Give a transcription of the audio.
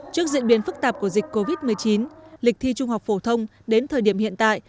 trước diễn biến phức tạp của dịch covid một mươi chín lịch thi trung học phổ thông đến thời điểm hiện tại